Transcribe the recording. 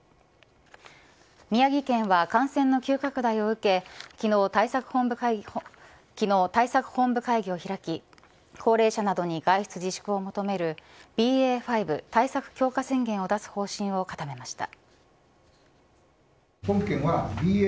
宮城県は感染の急拡大を受け昨日、対策本部会議を開き高齢者などに外出自粛を求めるＢＡ．５対策強化宣言を出す方針を固めました。